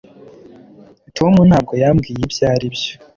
tom ntabwo yambwiye ibyo aribyo